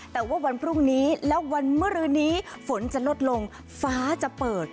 แต่ว่าวันพรุ่งนี้และวันมรืนนี้ฝนจะลดลงฟ้าจะเปิด